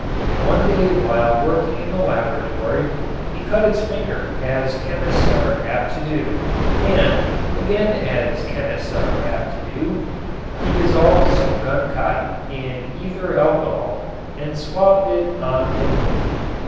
One day while working in the laboratory he cut his finger, as chemists are apt to do, and, again as chemists are apt to do, he dissolved some guncotton in ether alcohol and swabbed it on the wound.